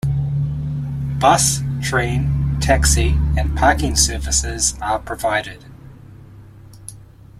Bus, train, taxi and parking services are provided.